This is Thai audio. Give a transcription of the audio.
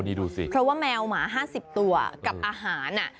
นี่ดูสิเพราะว่าแมวหมา๕๐ตัวกับอาหาร